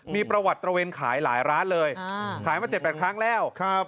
มีประวัติตระเวนขายหลายร้านเลยขายมา๗๘ครั้งแล้วครับ